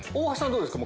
どうですか？